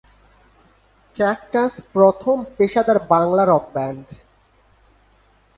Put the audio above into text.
Cactus প্রথম পেশাদার Bangla rock band.